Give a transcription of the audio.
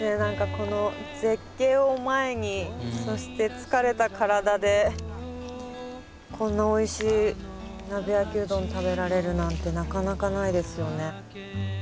この絶景を前にそして疲れた体でこんなおいしい鍋焼きうどん食べられるなんてなかなかないですよね。